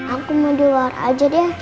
aku mau keluar aja deh